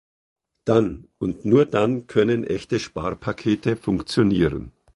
Dann, und nur dann können echte Sparpakete funktionieren.